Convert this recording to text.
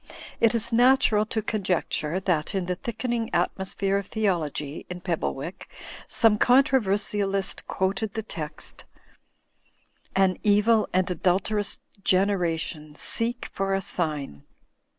It is natural to conjecture that in he thickening atmosphere of theology in Pebblewick, 5ome controversialist quoted the text *An evil and adulterous generation seek for a sign.